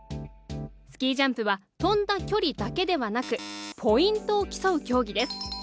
スキージャンプは飛んだ距離だけではなく、ポイントを競う競技です。